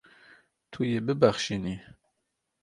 Tu yê bibexşînî.